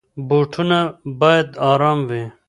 بوټونه بايد ارام وي.